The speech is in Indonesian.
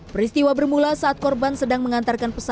peristiwa bermula saat korban sedang mengantarkan pesawat